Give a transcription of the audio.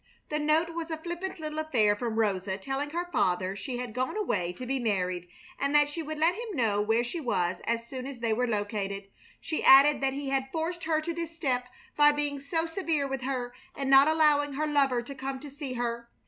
The note was a flippant little affair from Rosa, telling her father she had gone away to be married and that she would let him know where she was as soon as they were located. She added that he had forced her to this step by being so severe with her and not allowing her lover to come to see her.